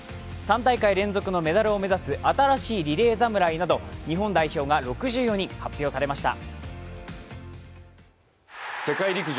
３大会連続メダルを目指す新しいリレー侍など日本代表が６４人、発表されました。